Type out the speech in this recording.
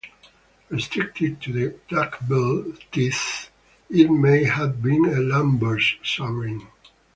Restricted to the duckbill teeth, it may have been a lambeosaurine.